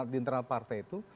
di internal partai itu